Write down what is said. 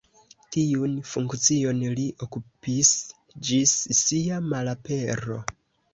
Tiun funkcion li okupis ĝis sia malapero.